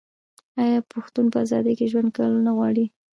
آیا پښتون په ازادۍ کې ژوند کول نه غواړي؟